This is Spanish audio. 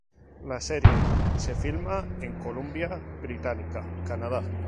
La serie se filma en Columbia Británica, Canadá.